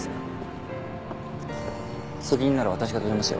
責任なら私が取りますよ。